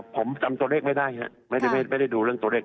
ผมจำตัวเลขไม่ได้ครับไม่ได้ดูเรื่องตัวเลข